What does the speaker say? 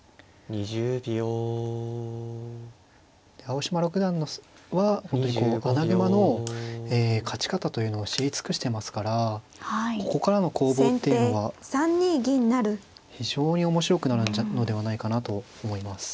青嶋六段は本当にこう穴熊の勝ち方というのを知り尽くしてますからここからの攻防っていうのは非常に面白くなるのではないかなと思います。